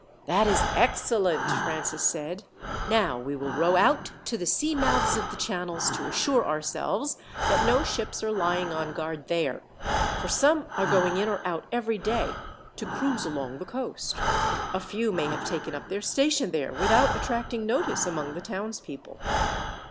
"That is excellent," Francis said. "Now, we will row out to the sea mouths of the channels, to assure ourselves that no ships are lying on guard there, for some are going in or out every day to cruise along the coast. A few may have taken up their station there, without attracting notice among the townspeople."